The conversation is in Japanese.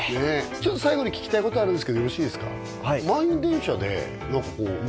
ちょっと最後に聞きたいことあるんですけどよろしいですか？